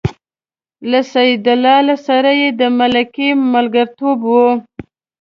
له سیدلال سره یې د ملکۍ ملګرتوب و.